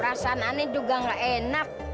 tanah ini juga nggak enak